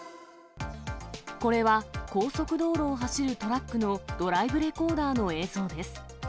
これは、高速道路を走るトラックのドライブレコーダーの映像です。